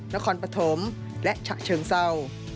นครปฐมและฉะเชิงเศร้า